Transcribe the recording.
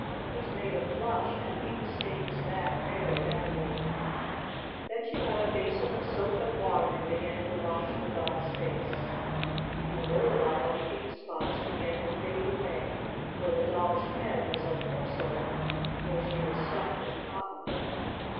He's made of plush, and ink stains that very badly." Then she got a basin of soap and water and began to wash the Doll's face. In a little while the ink spots began to fade away, for the Doll's head was of porcelain, though she was stuffed with cotton.